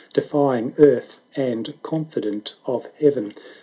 Defying earth, and confident of heaven.